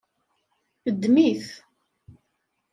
Ddem-it.